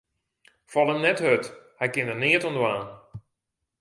Fal him net hurd, hy kin der neat oan dwaan.